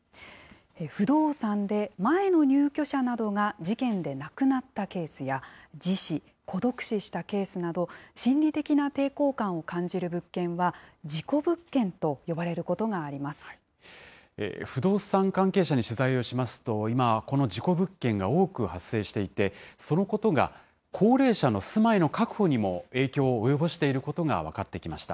不動産で前の入居者などが事件で亡くなったケースや自死、孤独死したケースなど、心理的な抵抗感を感じる物件は、事故物件と呼ば不動産関係者に取材をしますと、今、この事故物件が多く発生していて、そのことが高齢者の住まいの確保にも影響を及ぼしていることが分かってきました。